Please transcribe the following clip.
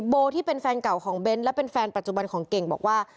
ที่เป็นแฟนเก่าของเบ้นและเป็นแฟนปัจจุบันของเก่งบอกว่า